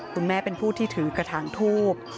คุณแม่เป็นผู้ที่ถือกระถางทูบ